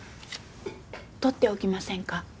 取っておきませんか？